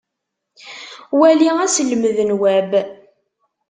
Wali aselmed n Web.